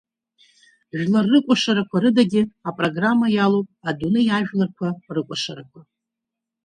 Жәлар рыкәашарақәа рыдагьы, апрограмма иалоуп адунеи ажәларқәа рыкәашарақәа…